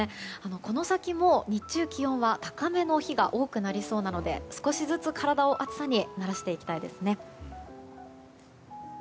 この先も日中、気温は高めの日が多くなりそうなので少しずつ体を暑さに慣らしていきたいですね。